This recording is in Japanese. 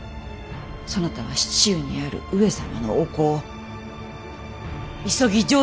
そなたは市中にある上様のお子を急ぎ城中にお迎えせよ！